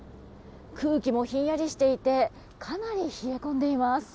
空気もひんやりしていてかなり冷え込んでいます。